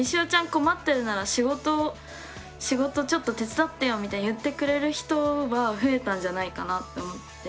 困ってるなら仕事ちょっと手伝ってよみたいに言ってくれる人は増えたんじゃないかなと思って。